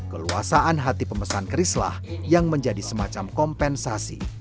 keluasaan hati pemesan kerislah yang menjadi semacam kompensasi